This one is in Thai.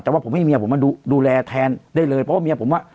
แต่ว่าผมให้เมียผมมาดูแลแทนได้เลยเพราะว่าเมียผมอ่ะ